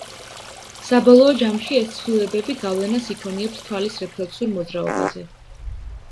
საბოლოო ჯამში, ეს ცვლილებები გავლენას იქონიებს თვალის რეფლექსურ მოძრაობაზე.